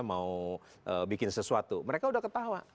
mau bikin sesuatu mereka udah ketawa